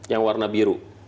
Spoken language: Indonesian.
yang warna biru